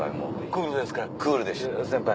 クールですから先輩。